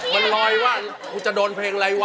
มันรอยว่าคุณจะโดนเพลงไรวะ